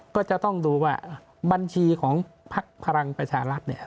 ก็จะต้องดูว่าบัญชีของพักพลังประชารัฐเนี่ย